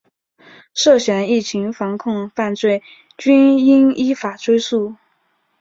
涉嫌疫情防控犯罪均应依法追诉